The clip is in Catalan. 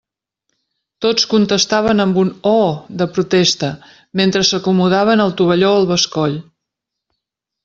Tots contestaven amb un «oh!» de protesta, mentre s'acomodaven el tovalló al bescoll.